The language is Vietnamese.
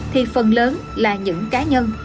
thì phần lớn là những cá nhân